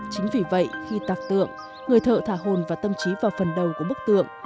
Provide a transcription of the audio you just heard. chính vì vậy khi tạc tượng người thợ thả hồn và tâm trí vào phần đầu của bức tượng